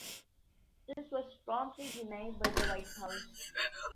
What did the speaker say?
This was promptly denied by the White House.